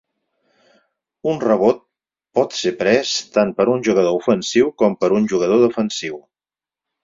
Un rebot pot ser pres tant per un jugador ofensiu com per un jugador defensiu.